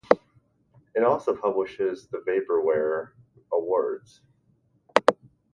It also publishes the Vaporware Awards.